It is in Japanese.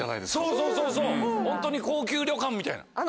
そうそうホントに高級旅館みたいな。